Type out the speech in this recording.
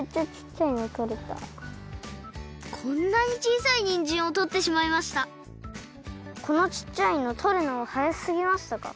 めっちゃこんなにちいさいにんじんをとってしまいましたこのちっちゃいのとるのはやすぎましたか？